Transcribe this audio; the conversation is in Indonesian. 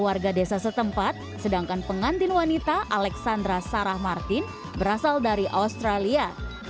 warga desa setempat sedangkan pengantin wanita alexandra sarah martin berasal dari australia